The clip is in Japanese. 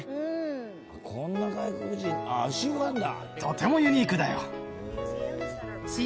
こんな外国人あっ足湯があるんだ！